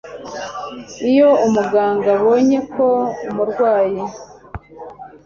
Iyo umuganga abonye ko umurwayi